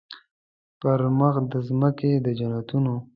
پر مخ د مځکي د جنتونو